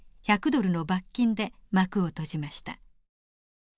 １００ドルの罰金で幕を閉じました。